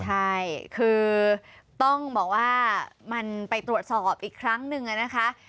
ใช่คือต้องบอกว่ามันไปตรวจสอบอีกครั้งหนึ่งนะคะ